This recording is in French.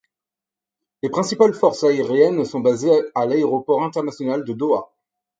Les principales forces aériennes sont basées à l'aéroport international de Doha.